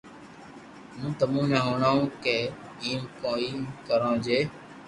ھون تمو ني ھڻاوُ ڪو ايم ڪوئي ڪرو جي